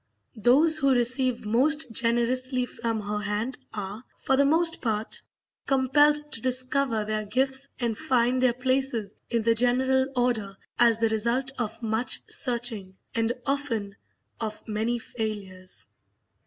Those who receive most generously from her hand are, for the most part, compelled to discover their gifts and find their places in the general order as the result of much searching, and often of many failures.